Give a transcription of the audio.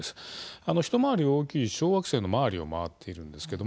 一回り大きい小惑星の周りを回っています。